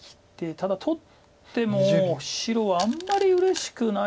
ただ取っても白はあんまりうれしくない。